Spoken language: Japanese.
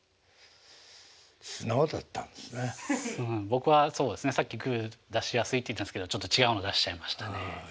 僕はそうですねさっきグー出しやすいって言ったんですけどちょっと違うの出しちゃいましたね。